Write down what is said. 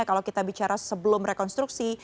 kalau kita bicara sebelum rekonstruksi